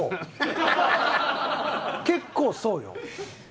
結構そうよ。